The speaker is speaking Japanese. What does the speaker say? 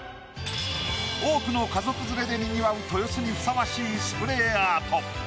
多くの家族連れでにぎわう豊洲にふさわしいスプレーアート。